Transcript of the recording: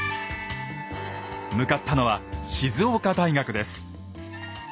向かったのは静岡大学です。